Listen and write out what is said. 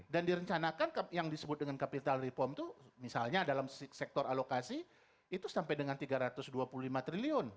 dan direncanakan yang disebut dengan capital reform itu misalnya dalam sektor alokasi itu sampai dengan tiga ratus dua puluh lima triliun